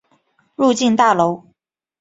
入境大楼